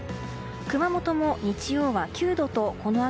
熊本も日曜日は９度とこの秋